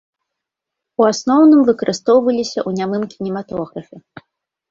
У асноўным выкарыстоўваліся ў нямым кінематографе.